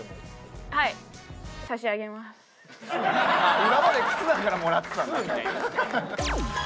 今まで忽那からもらってたんだ。